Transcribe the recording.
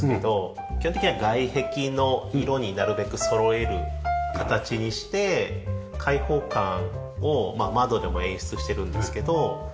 基本的には外壁の色になるべくそろえる形にして開放感を窓でも演出してるんですけど。